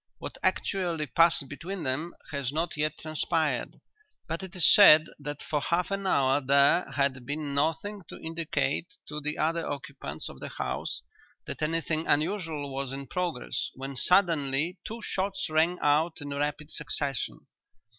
What actually passed between them has not yet transpired, but it is said that for half an hour there had been nothing to indicate to the other occupants of the house that anything unusual was in progress when suddenly two shots rang out in rapid succession.